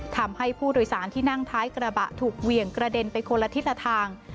ทำให้ผู้โดยสารที่นั่งท้ายกระบะถูกเหวี่ยงกระเด็นไปคนละทิศละทาง